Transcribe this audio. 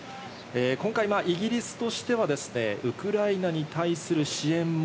今回イギリスとしてはウクライナに対する支援も。